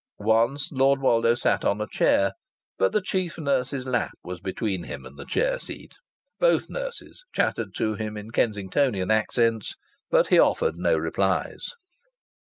Once Lord Woldo sat on a chair, but the chief nurse's lap was between him and the chair seat. Both nurses chattered to him in Kensingtonian accents, but he offered no replies.